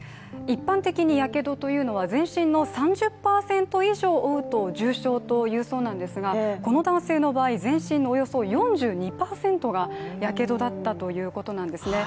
一般的にやけどというのは全身の３０％以上負うと重傷というそうなんですがこの男性の場合、全身のおよそ４２％がやけどだったということなんですね。